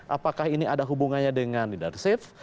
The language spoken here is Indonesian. apakah ini ada hubungannya dengan leadership